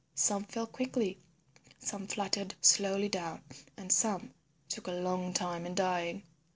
Some fell quickly, some fluttered slowly down, and some took a long time in dying.